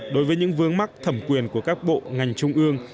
đối với những vướng mắc thẩm quyền của các bộ ngành trung ương